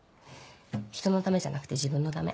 人のためじゃなくて自分のため。